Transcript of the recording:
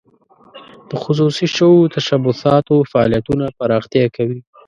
د خصوصي شوو تشبثاتو فعالیتونه پراختیا کوي.